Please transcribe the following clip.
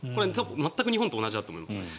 全く日本と同じだと思います。